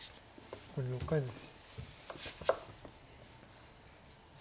残り６回です。